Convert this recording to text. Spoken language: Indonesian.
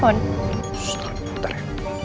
dan bisa berhubungan dengan baik lagi